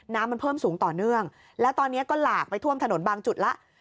น้ำมันเพิ่มสูงต่อเนื่องแล้วตอนนี้ก็หลากไปท่วมถนนบางจุดแล้ว